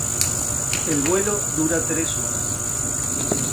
El vuelo dura tres horas.